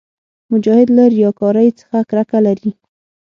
مجاهد له ریاکارۍ څخه کرکه لري.